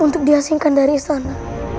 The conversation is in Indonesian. untuk diasingkan dari istana